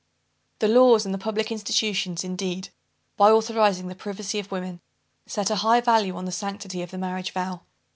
The laws and the public institutions, indeed, by authorizing the privacy of women, set a high value on the sanctity of the marriage vow.